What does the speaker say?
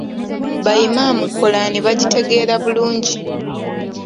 Bayimaamu Kolaani bagitegeera bulungi.